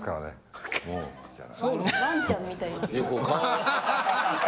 ワンちゃんみたい。